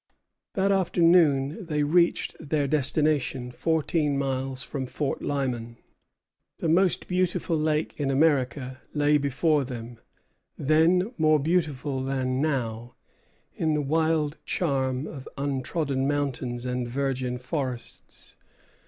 That afternoon they reached their destination, fourteen miles from Fort Lyman. The most beautiful lake in America lay before them; then more beautiful than now, in the wild charm of untrodden mountains and virgin forests.